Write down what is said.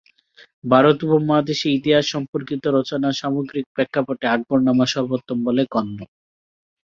ভারত উপমহাদেশে ইতিহাস সম্পর্কিত রচনার সামগ্রিক প্রেক্ষাপটে আকবরনামা সর্বোত্তম বলে গণ্য।